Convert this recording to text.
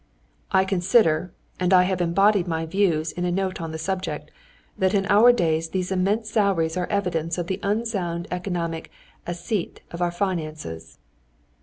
"I consider, and I have embodied my views in a note on the subject, that in our day these immense salaries are evidence of the unsound economic assiette of our finances."